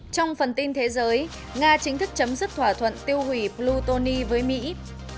trong phần tin thế giới nga chính thức chấm dứt thỏa thuận tiêu hủy plutoni với mỹ